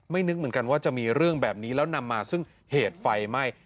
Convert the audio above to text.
นึกเหมือนกันว่าจะมีเรื่องแบบนี้แล้วนำมาซึ่งเหตุไฟไหม้